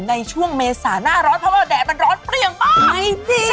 มันใช่มันต้องไป